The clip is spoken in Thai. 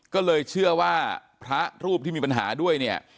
ก็เลยเชื่อว่าพระรูปที่มีปัญหาด้วยเนี่ย